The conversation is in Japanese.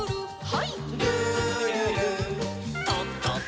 はい。